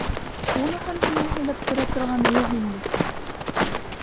Уныһын һиңә һөйләп тора торғаны юҡ инде.